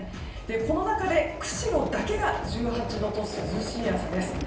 この中で釧路だけが１８度と涼しい朝です。